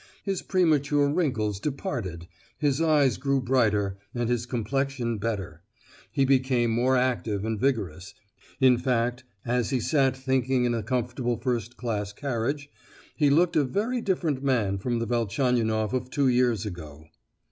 His premature wrinkles departed, his eyes grew brighter, and his complexion better; he became more active and vigorous—in fact, as he sat thinking in a comfortable first class carriage, he looked a very different man from the Velchaninoff of two years ago.